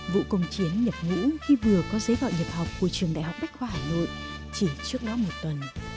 vũ công chiến nhập ngũ khi vừa có giấy gọi nhập học của trường đại học bách khoa hà nội chỉ trước đó một tuần